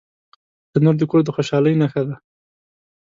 تنور د کور د خوشحالۍ نښه ده